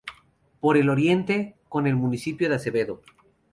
Por el Oriente: con el Municipio de Acevedo.